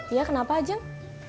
iya kenapa jeng